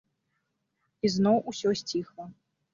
І зноў усё сціхла.